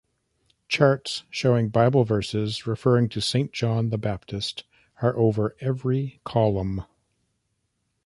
Charts showing Bible verses referring to Saint John the Baptist are over every column.